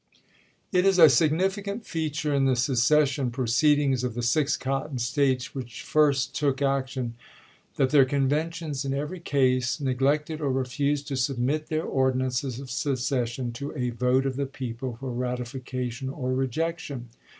1 It is a significant feature in the secession pro ceedings of the six Cotton States which first took action, that their conventions in every case neg lected or refused to submit their ordinances of secession to a vote of the people for ratification or rejection.